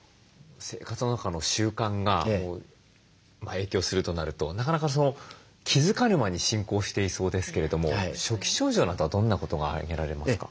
生活の中の習慣が影響するとなるとなかなか気付かぬ間に進行していそうですけれども初期症状などはどんなことが挙げられますか？